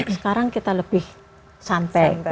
sekarang kita lebih santai